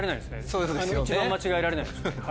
一番間違えられないですね。